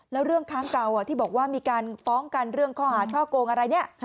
แล้วเรื่องค้างเก่าที่บอกว่ามีการฟ้องกันเรื่องข้อหาช่อโกงอะไรเนี่ย